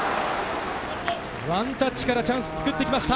ワンタッチからチャンスを作ってきました。